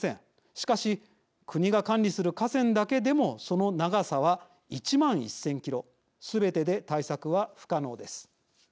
しかし国が管理する河川だけでもその長さは１万１０００キロすべてで対策は不可能です。